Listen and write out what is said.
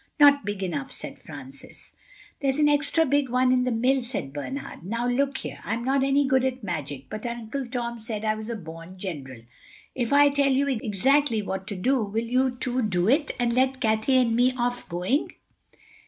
"Not big enough," said Francis. "There's an extra big one in the mill," said Bernard. "Now, look here. I'm not any good at magic. But Uncle Tom said I was a born general. If I tell you exactly what to do, will you two do it, and let Cathay and me off going?"